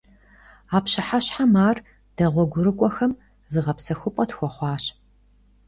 А пщыхьэщхьэм ар дэ, гъуэгурыкIуэхэм, зыгъэпсэхупIэ тхуэхъуащ.